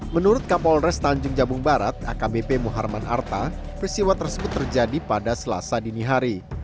menurut kapolres tanjung jabung barat akbp muharman arta peristiwa tersebut terjadi pada selasa dini hari